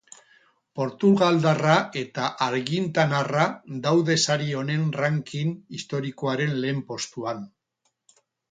Portugaldarra eta argintanarra daude sari honen ranking historikoaren lehen postuan.